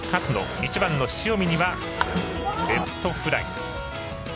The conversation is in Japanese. １番の塩見にはレフトフライ。